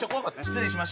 失礼しました。